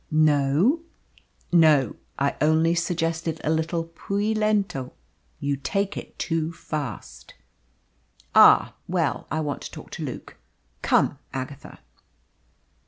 "No. I only suggested a little piu lento! You take it too fast." "Ah! Well, I want to talk to Luke. Come, Agatha."